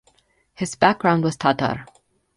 His background was Tatar.